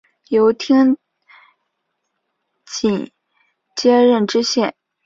由丁谨接任知县。